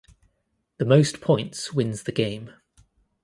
The most points wins the game.